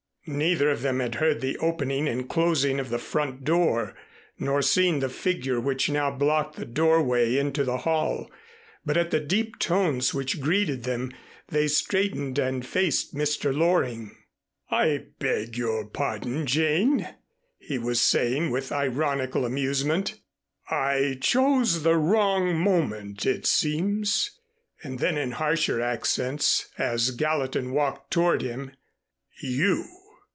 Neither of them had heard the opening and closing of the front door, nor seen the figure which now blocked the doorway into the hall, but at the deep tones which greeted them, they straightened and faced Mr. Loring. "I beg your pardon, Jane," he was saying with ironical amusement. "I chose the wrong moment it seems," and then in harsher accents as Gallatin walked toward him. "You!